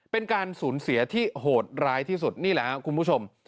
เป็นการสูญเสียที่โหดร้ายที่สุดนี่แหละครับคุณผู้ชม